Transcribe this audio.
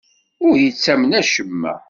Ur ittamen acemma.